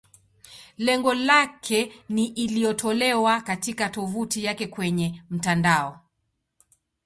Lengo lake ni iliyotolewa katika tovuti yake kwenye mtandao.